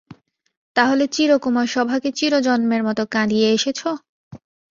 তা হলে চিরকুমার-সভাকে চিরজন্মের মতো কাঁদিয়ে এসেছ?